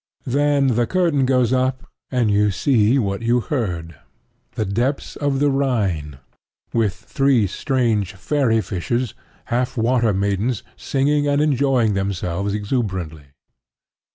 Then the curtain goes up and you see what you heard the depths of the Rhine, with three strange fairy fishes, half water maidens, singing and enjoying themselves exuberantly.